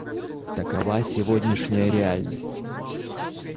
Такова сегодняшняя реальность.